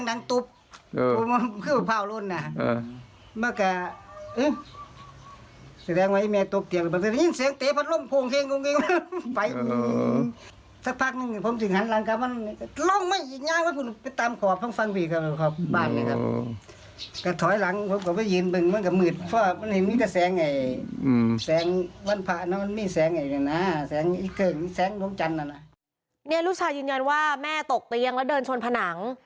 ลูกชายยืนยันว่าแม่ตกเตียงแล้วเดินชนผนัง